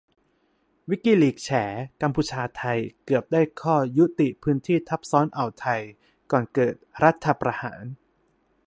"วิกิลีกส์" แฉ "กัมพูชา-ไทย" เกือบได้ข้อยุติพื้นที่ทับซ้อนอ่าวไทย ก่อนเกิดรัฐประหาร